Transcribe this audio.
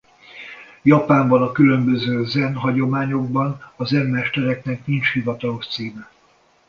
Japánban a különböző zen hagyományokban a zen mestereknek nincs hivatalos címe.